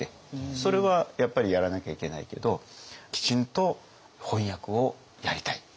それはやっぱりやらなきゃいけないけどきちんと翻訳をやりたい。